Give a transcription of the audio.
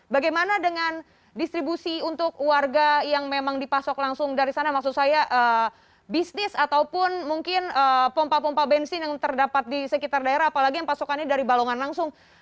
bagaimana dengan distribusi untuk warga yang memang dipasok langsung dari sana maksud saya bisnis ataupun mungkin pompa pompa bensin yang terdapat di sekitar daerah apalagi yang pasokannya dari balongan langsung